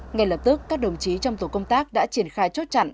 ngay lập tức các đồng chí trong tổ công tác đã triển khai chốt chặn